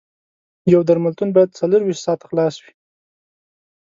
یو درملتون باید څلور ویشت ساعته خلاص وي